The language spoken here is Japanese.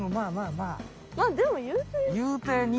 まっでもいうて。